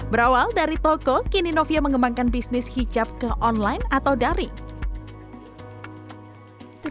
berawal dari toko kini novia mengembangkan bisnis hijab ke online atau daring